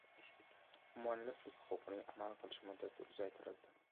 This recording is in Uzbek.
Mualliflik huquqining amal qilish muddati uzaytirildi